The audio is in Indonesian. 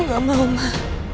aku gak mau mbak